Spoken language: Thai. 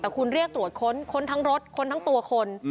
แต่คุณเรียกตรวจค้นค้นทั้งรถค้นทั้งตัวคน